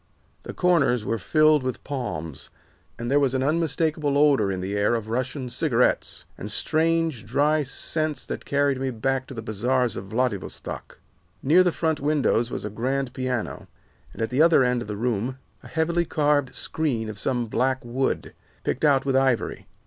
The corners were filled with palms, and there was the unmistakable odor in the air of Russian cigarettes, and strange, dry scents that carried me back to the bazaars of Vladivostock. Near the front windows was a grand piano, and at the other end of the room a heavily carved screen of some black wood, picked out with ivory.